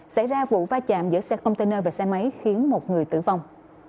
xảy ra vụ va chạm giữa xe container và xe máy khiến một người tử vong